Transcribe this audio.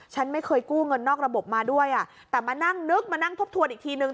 ฉันไม่เคยกู้เงินนอกระบบมาด้วยอ่ะแต่มานั่งนึกมานั่งทบทวนอีกทีนึง